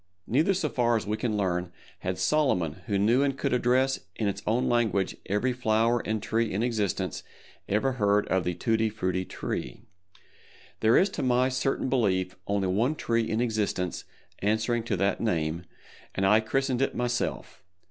Neither so far as we can learn, had Solomon who knew and could address in its own language every flower and tree in existence, ever heard of the Tutti Frutti Tree. There is to my certain belief only one tree in existence answering to that name, and I christened it myself.